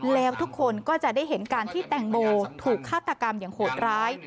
แล้วทุกคนก็จะได้เห็นการที่แตงโมถูกฆาตกรรมอย่างโหดร้าย